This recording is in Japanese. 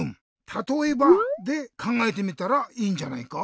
「たとえば？」でかんがえてみたらいいんじゃないか？